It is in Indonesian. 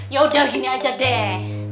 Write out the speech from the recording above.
yaudah gini aja deh